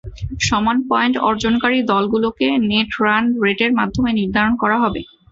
সমান পয়েন্ট অর্জনকারী দলগুলোকে নেট রান রেটের মাধ্যমে নির্ধারণ করা হবে।